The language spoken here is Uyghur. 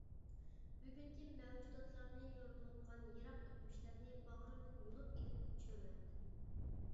بۈگۈنكى مەۋجۇداتلارنى يورۇتۇۋاتقان يىراق ئۆتمۈشلەرنى باغرىمدىن يۇلۇپ ئېلىپ چۆرۈۋەتتىم.